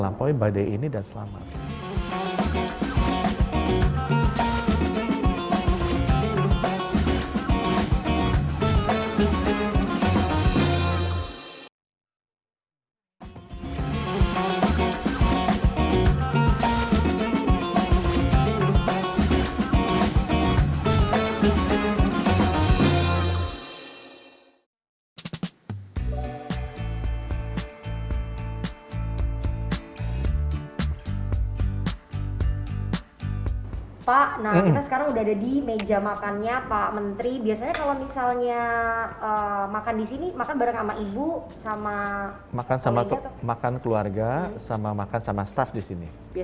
makan sama keluarga sama makan sama staff di sini